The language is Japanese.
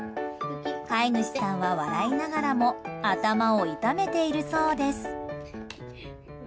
飼い主さんは笑いながらも頭を痛めているそうです。